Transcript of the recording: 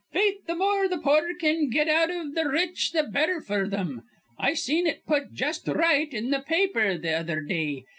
Faith, th' more th' poor can get out iv th' r rich, th' better f'r thim. I seen it put just r right in th' paper th' other day.